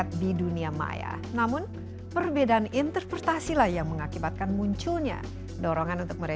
terima kasih banyak